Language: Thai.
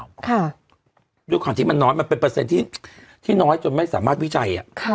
ด้วยความที่มันน้อยมันเป็นเปอร์เซ็นต์ที่น้อยจนไม่สามารถวิจัย